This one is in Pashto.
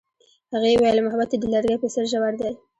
هغې وویل محبت یې د لرګی په څېر ژور دی.